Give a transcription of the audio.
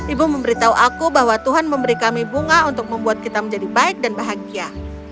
ibu memberitahu aku bahwa tuhan memberi kami bunga untuk membuat kita menjadi baik dan bahagia